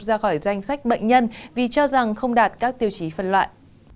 ra khỏi danh sách bệnh nhân vì cho rằng không đạt các tiêu chí phân loại